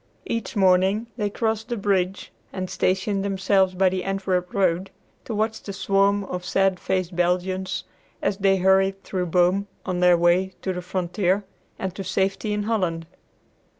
Each morning they crossed the bridge and stationed themselves by the Antwerp road to watch the swarm of sad faced Belgians as they hurried through Boom on their way to the frontier and to safety in Holland.